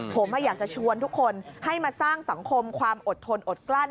ผมอยากจะชวนทุกคนให้มาสร้างสังคมความอดทนอดกลั้น